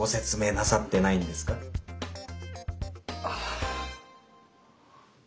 ああ。